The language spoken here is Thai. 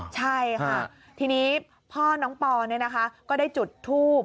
ใช่ค่ะทีนี้พ่อน้องปอก็ได้จุดทูบ